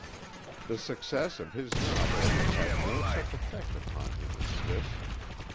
The success of his novel had had no such effect upon him as this.